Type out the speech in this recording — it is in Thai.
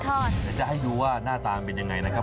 เดี๋ยวจะให้ดูว่าหน้าตามันเป็นยังไงนะครับ